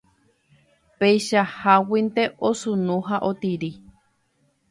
Peichaháguinte osunu ha otiri